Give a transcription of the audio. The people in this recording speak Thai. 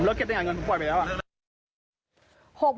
ผมเลิกเก็บได้อย่างนั้นผมปล่อยไปแล้ว